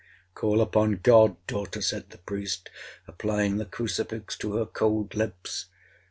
'—'Call upon God, daughter!' said the priest, applying the crucifix to her cold lips.